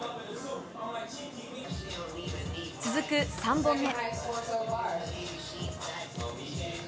続く３本目。